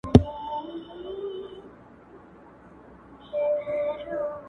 ښه نیت سکون راولي.